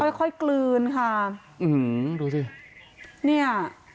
ค่อยกลืนค่ะอื้อหือดูสิเนี่ย